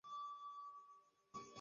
কারণ এটা আমার সাথেও হয়েছিল।